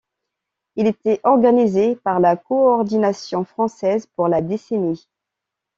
Il était organisé par la Coordination française pour la Décennie.